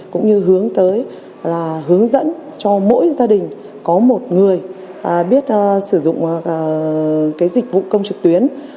cũng như hướng tới là hướng dẫn cho mỗi gia đình có một người biết sử dụng dịch vụ công trực tuyến